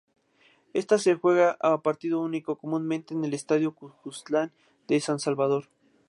Esta se juega a partido único, comúnmente en el Estadio Cuscatlán de San Salvador.